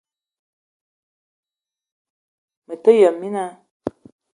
Mete yëm mina